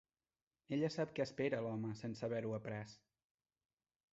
Ella sap què espera l'home sense haver-ho après.